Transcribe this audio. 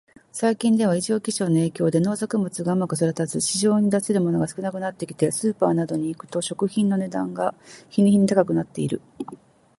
最近では、異常気象の影響で農作物がうまく育たず、市場に出せるものが少なくなってきて、スーパーなどに行くと食品の値段が日に日に高くなっている。